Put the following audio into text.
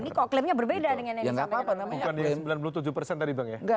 ini kok klaimnya berbeda dengan yang di sebelumnya